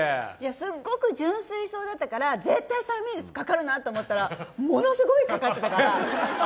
すっごく純粋そうだから絶対催眠術にかかるなと思ったら、ものすごいかかってたから。